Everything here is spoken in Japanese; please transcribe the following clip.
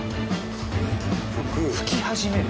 拭き始める？